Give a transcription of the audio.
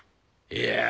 いや。